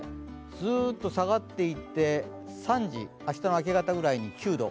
ずっと下がっていって、３時、明日の明け方くらいに９度。